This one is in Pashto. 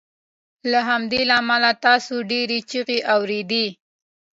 له همدې امله تاسو ډیرې چیغې اوریدې